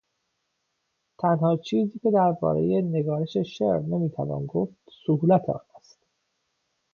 تنها چیزی که دربارهی نگارش شعر نمیتوان گفت سهولت آن است.